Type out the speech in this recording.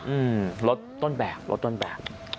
อืมรถต้นแบบรถต้นแบบ